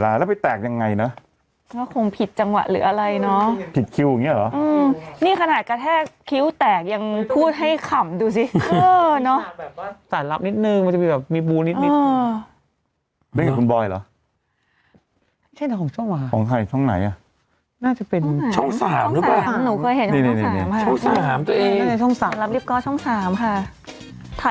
เออต้องไปถามพี่กติกค่ะมันก็ทำให้เรารู้เลยว่าเป็นกติก